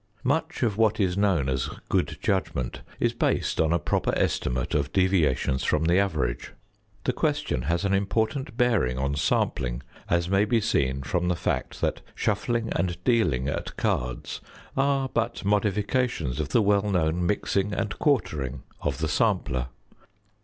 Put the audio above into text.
Much of what is known as good judgment is based on a proper estimate of deviations from the average. The question has an important bearing on sampling, as may be seen from the fact that shuffling and dealing at cards are but modifications of the well known mixing and quartering of the sampler.